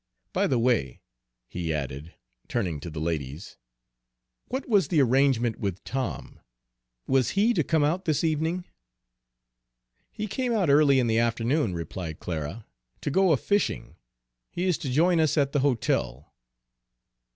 By the way," he added, turning to the ladies, "what was the arrangement with Tom? Was he to come out this evening?" "He came out early in the afternoon," replied Clara, "to go a fishing. He is to join us at the hotel."